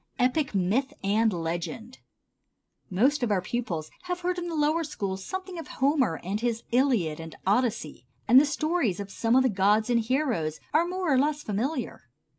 Epic, Myth and Legend. Most of our pupils have heard in the lower schools something of Homer and his "Iliad" and "Odyssey"; and the stories of some of the gods and heroes are more or less familiar.